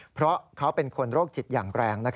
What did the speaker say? เพราะเขาเป็นคนโรคจิตอย่างแรง